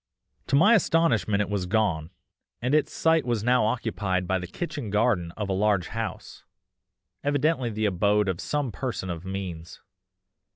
To my astonishment it was gone, and its site was now occupied by the kitchen garden of a large house, evidently the abode of some person of means.